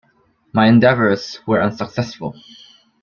My endeavours were unsuccessful.